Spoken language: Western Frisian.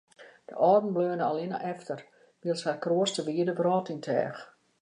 De âlden bleaune allinne efter, wylst harren kroast de wide wrâld yn teach.